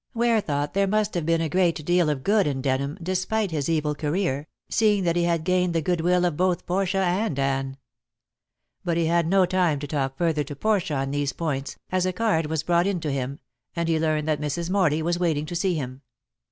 Ware thought there must have been a great deal of good in Denham, despite his evil career, seeing that he had gained the good will of both Portia and Anne. But he had no time to talk further to Portia on these points, as a card was brought in to him, and he learned that Mrs. Morley was waiting to see him.